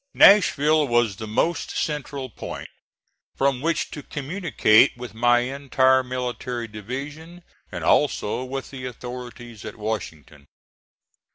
Nashville was the most central point from which to communicate with my entire military division, and also with the authorities at Washington.